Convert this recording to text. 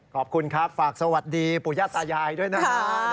ขอบคุณครับฝากสวัสดีปู่ย่าตายายด้วยนะฮะ